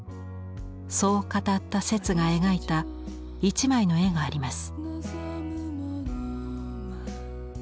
そう語った摂が描いた一枚の絵があります。